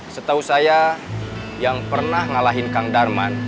setahu saya yang pernah ngalahin kang darman